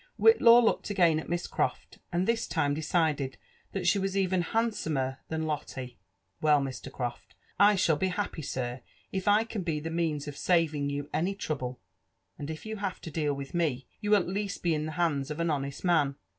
Whitlaw looked again at Miss Croft, and this time decided tliat she was even handsomer than Lotte. " Well, Mr. Croft, I shall be happy, sir, if I can be the means of saving you any trouble; and if you have to deal with me, you will at least be in (he hands of an honest man.